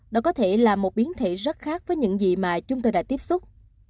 đó có thể là một biến thể rất khác với những gì mà chúng tôi đã tiếp xúc